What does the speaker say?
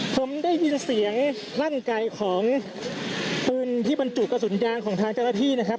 ผมได้ยินเสียงลั่นไกลของปืนที่บรรจุกระสุนยางของทางเจ้าหน้าที่นะครับ